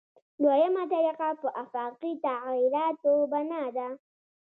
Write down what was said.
دویمه طریقه په آفاقي تغییراتو بنا ده.